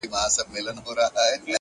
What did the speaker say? وخت د ضایع کېدو جبران نه لري